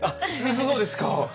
そうですか。